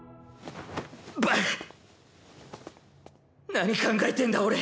何考えてんだ俺！